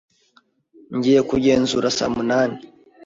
Ngiye kugenzura saa munani.